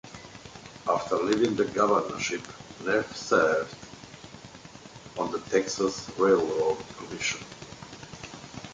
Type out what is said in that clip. After leaving the governorship, Neff served on the Texas Railroad Commission.